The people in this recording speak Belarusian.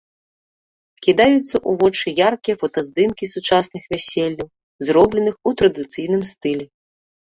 Кідаюцца ў вочы яркія фотаздымкі сучасных вяселляў, зробленых у традыцыйным стылі.